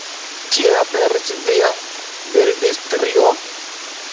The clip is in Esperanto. Kie aperis via bildstrio?